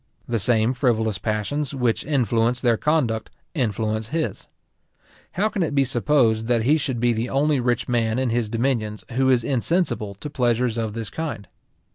The same frivolous passions, which influence their conduct, influence his. How can it be supposed that he should be the only rich man in his dominions who is insensible to pleasures of this kind?